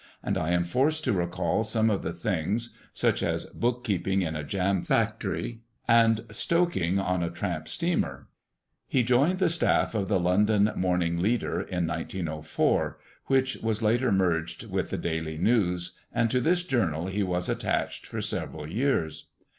And I am forced to recall some of the things such as bookkeeping in a jam factory and stoking on a tramp steamer." He joined the staff of the London Morning Leader in 1904; which was later merged with the Daily News, and to this journal he was attached for several years.